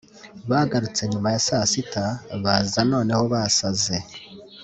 Bagarutse nyuma ya saa sita baza noneho basaze